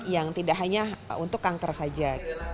yang tidak hanya untuk kanker saja